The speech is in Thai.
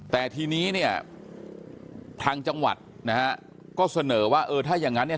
แต่ทีนี้เนี่ยทางจังหวัดนะฮะก็เสนอว่าเออถ้าอย่างงั้นเนี่ย